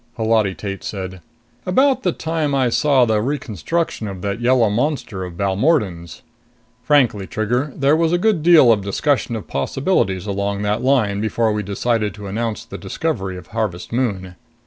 Holati Tate said, "About the time I saw the reconstruct of that yellow monster of Balmordan's. Frankly, Trigger, there was a good deal of discussion of possibilities along that line before we decided to announce the discovery of Harvest Moon.